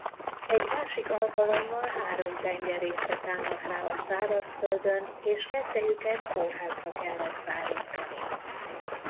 Egy másik alkalommal három tengerésze támadt rá a szárazföldön és kettejüket kórházba kellett szállítani.